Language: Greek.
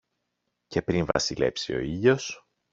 και πριν βασιλέψει ο ήλιος